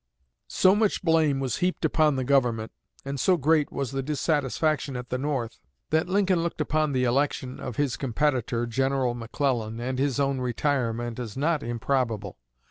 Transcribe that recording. So much blame was heaped upon the Government, and so great was the dissatisfaction at the North, that Lincoln looked upon the election of his competitor, General McClellan, and his own retirement, as not improbable.